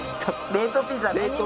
冷凍ピザ。